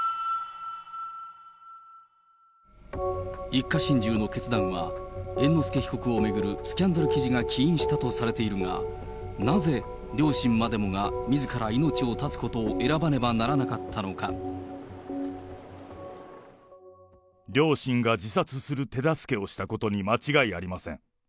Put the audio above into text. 一家心中の決断は、猿之助被告を巡るスキャンダル記事が起因したとされているが、なぜ両親までもがみずから命を絶つことを選ばねばならなかったの両親が自殺する手助けをしたことに間違いありません。